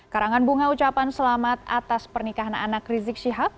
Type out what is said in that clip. karangan bunga ucapan selamat atas pernikahan anak rizik syihab